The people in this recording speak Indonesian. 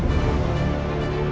aku udah selesai